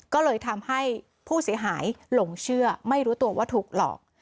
ก็เลยทำให้ผู้เสียหายหลงเชื่อไม่รู้ตัวว่าถูกหลอก